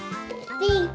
ピンク！